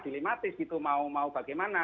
dilematis gitu mau bagaimana